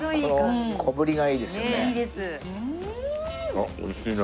あっ美味しいな。